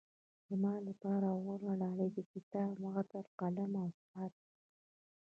زما لپاره غوره ډالۍ د کتاب، عطر، قلم او ساعت ده.